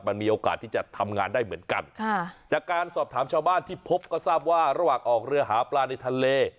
มันมีโอกาสที่จะทำงานได้เหมือนกันค่ะจากการสอบถามชาวบ้านที่พบก็ทราบว่าระหว่างออกเรือหาปลาในทะเล